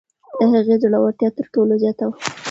د هغې زړورتیا تر ټولو زیاته وه.